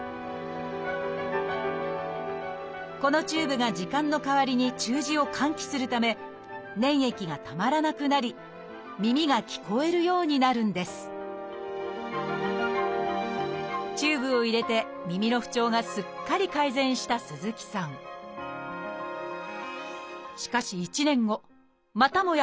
このチューブが耳管の代わりに中耳を換気するため粘液がたまらなくなり耳が聞こえるようになるんですチューブを入れて耳の不調がすっかり改善した鈴木さんしかし１年後またもや